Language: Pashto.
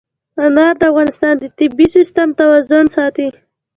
انار د افغانستان د طبعي سیسټم توازن ساتي.